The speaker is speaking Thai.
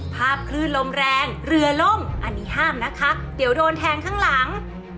ภาพคลื่นลมแรงเรือล่มอันนี้ห้ามนะคะเดี๋ยวโดนแทงข้างหลัง